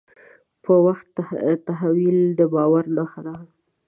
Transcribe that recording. په وخت تحویل د باور نښه ده.